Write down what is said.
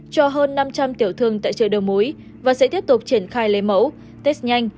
cho hơn năm trăm linh tiểu thương tại chợ đầu mối và sẽ tiếp tục triển khai lấy mẫu test nhanh